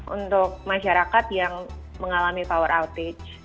untuk masyarakat yang mengalami power outtage